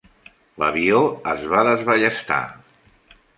L'avió es va desballestar.